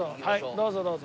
どうぞどうぞ。